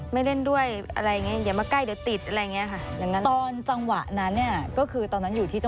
ไม่เล่นด้วยอะไรอย่างนี้